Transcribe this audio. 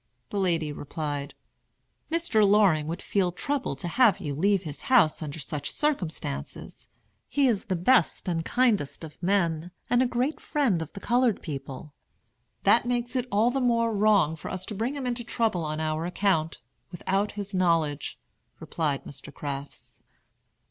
The lady replied: "Mr. Loring would feel troubled to have you leave his house under such circumstances. He is the best and kindest of men, and a great friend of the colored people." "That makes it all the more wrong for us to bring him into trouble on our account, without his knowledge," replied Mr. Crafts.